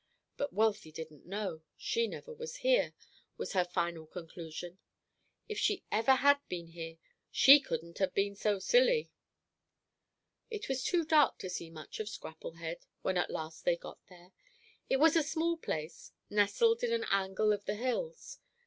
"But Wealthy didn't know: she never was here," was her final conclusion. "If she ever had been here, she couldn't have been so silly." It was too dark to see much of Scrapplehead when at last they got there. It was a small place, nestled in an angle of the hills.